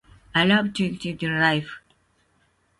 I love to experience life.